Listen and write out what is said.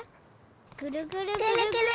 ぐるぐるぐるぐる！